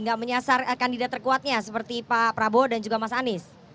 tidak menyasar kandidat terkuatnya seperti pak prabowo dan juga mas anies